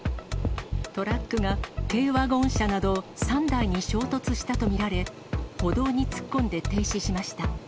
トラックが軽ワゴン車など３台に衝突したと見られ、歩道に突っ込んで停止しました。